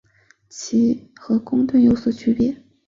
其和公吨有所区别。